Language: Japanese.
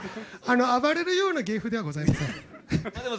暴れるような芸風ではございません。